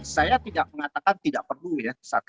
saya tidak mengatakan tidak perlu ya